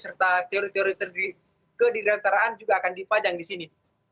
serta teori teori kedidataraan juga akan dipajang di sini